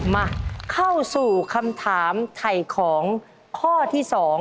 มาเข้าสู่คำถามไถ่ของข้อที่๒